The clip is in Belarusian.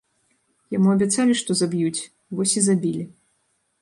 Яму абяцалі, што заб'юць, вось і забілі.